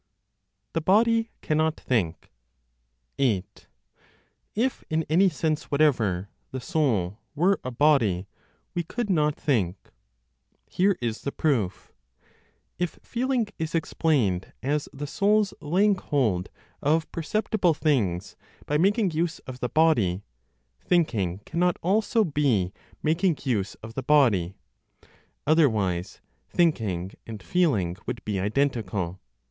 THE BODY CANNOT THINK. 8. If, in any sense whatever, the soul were a body, we could not think. Here is the proof. If feeling is explained as the soul's laying hold of perceptible things by making use of the body, thinking cannot also of making use of the body. Otherwise, thinking and feeling would be identical.